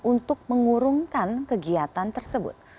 untuk mengurungkan kegiatan tersebut